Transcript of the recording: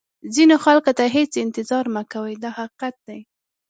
ځینو خلکو ته هېڅ انتظار مه کوئ دا حقیقت دی.